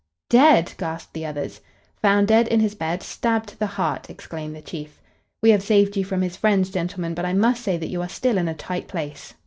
"Dead!" gasped the others. "Found dead in his bed, stabbed to the heart!" exclaimed the Chief. "We have saved you from his friends, gentlemen, but I must say that you are still in a tight place."